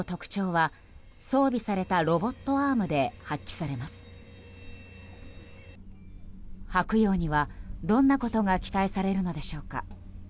「はくよう」には、どんなことが期待されるのでしょうか。